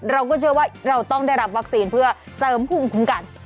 เราก็เชื่อว่าเราต้องได้รับวัคซีนเพื่อเสริมภูมิคุ้มกัน